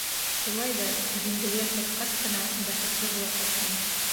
Шулай ҙа диңгеҙгә сыҡҡас ҡына бәхетле буласаҡмын.